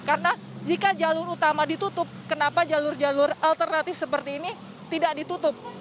karena jika jalur utama ditutup kenapa jalur jalur alternatif seperti ini tidak ditutup